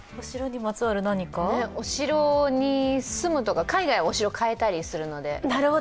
お城に住むとか、海外はお城を買えたりするので。